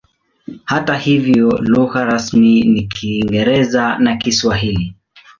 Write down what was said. Hata hivyo lugha rasmi ni Kiingereza na Kiswahili.